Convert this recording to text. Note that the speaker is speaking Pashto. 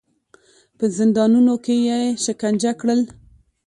په زندانونو کې یې شکنجه کړل.